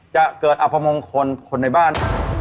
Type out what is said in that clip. จะเกิดอัพมงคลคนในบ้าน